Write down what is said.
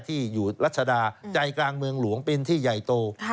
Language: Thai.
ที่อยู่รัชดาใจกลางเมืองหลวงเป็นที่ใหญ่โต